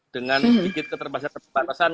dengan sedikit keterbatasan